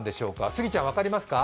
スギちゃん、分かりますか？